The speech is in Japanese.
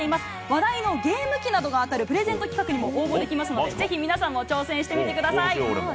話題のゲーム機などが当たるプレゼント企画なども応募できますので、ぜひ皆さんも挑戦してみてください。